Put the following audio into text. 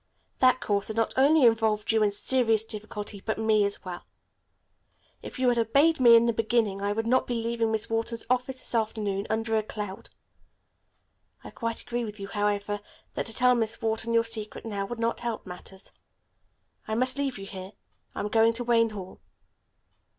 That course has not only involved you in serious difficulty, but me as well. If you had obeyed me in the beginning, I would not be leaving Miss Wharton's office this afternoon, under a cloud. I quite agree with you, however, that to tell Miss Wharton your secret now would not help matters. I must leave you here. I am going on to Wayne Hall."